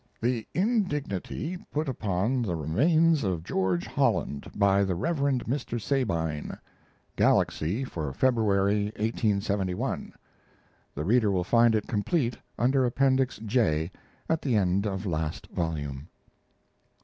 ["The Indignity Put Upon the Remains of Gorge Holland by the Rev. Mr. Sabine"; Galaxy for February, 1871. The reader will find it complete under Appendix J, at the end of last volume.